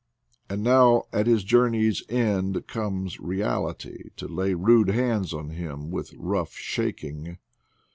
And now at his journey's end comes reality to lay rude hands on him with rough shaking.